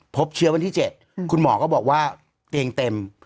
พบเชื้อวันที่๗คุณหมอก็บอกว่าเตียงเต็ม